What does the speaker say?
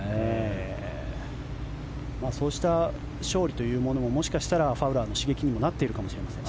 そうした勝利というものももしかしたらファウラーの刺激になっているかもしれません。